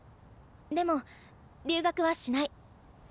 でも留学はしない。